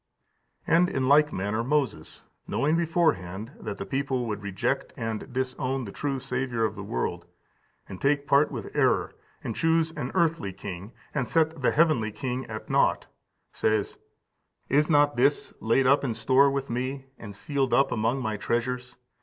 And in like manner Moses, knowing beforehand that the people would reject and disown the true Saviour of the world, and take part with error, and choose an earthly king, and set the heavenly King at nought, says: "Is not this laid up in store with me, and sealed up among my treasures?